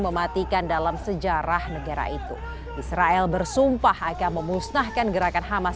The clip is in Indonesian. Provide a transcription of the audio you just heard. mematikan dalam sejarah negara itu israel bersumpah akan memusnahkan gerakan hamas